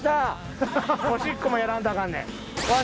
おしっこもやらんとアカンねん。